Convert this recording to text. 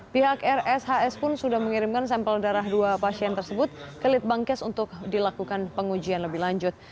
pihak rshs pun sudah mengirimkan sampel darah dua pasien tersebut ke litbangkes untuk dilakukan pengujian lebih lanjut